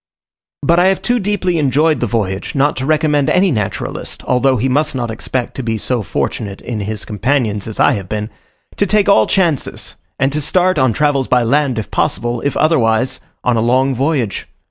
But I have too deeply enjoyed the voyage, not to recommend any naturalist, although he must not expect to be so fortunate in his companions as I have been, to take all chances, and to start, on travels by land if possible, if otherwise, on a long voyage.